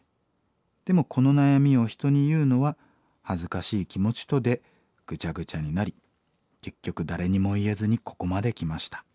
でもこの悩みを人に言うのは恥ずかしい気持ちとでぐちゃぐちゃになり結局誰にも言えずにここまで来ました」。